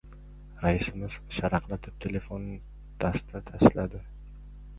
Raisimiz sharaqlatib telefon dasta tashladi.